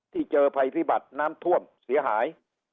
เจอภัยพิบัติน้ำท่วมเสียหาย